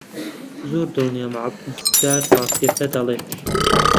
زۆر دڵنیام عەبدولستار ڕاستییەکە دەڵێت.